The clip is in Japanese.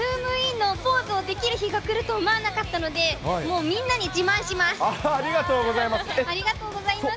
のポーズをできる日が来ると思わなかったので、もうみんなに自慢ありがとうございます。